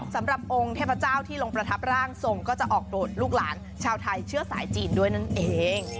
สำหรับองค์เทพเจ้าที่ลงประทับร่างทรงก็จะออกโดดลูกหลานชาวไทยเชื้อสายจีนด้วยนั่นเอง